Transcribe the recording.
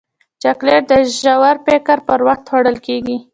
چاکلېټ د ژور فکر پر وخت خوړل کېږي.